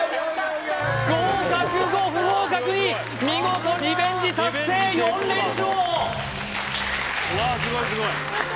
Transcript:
合格５不合格２見事リベンジ達成４連勝！